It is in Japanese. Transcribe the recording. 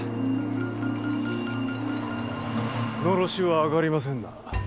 のろしは上がりませんな。